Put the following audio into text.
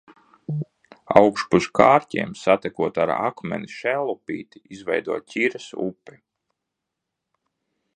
Augšpus Kārķiem, satekot ar Akmeni, Šēlupīte izveido Ķires upi.